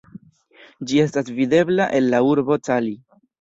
Ĝi estas videbla el la urbo Cali.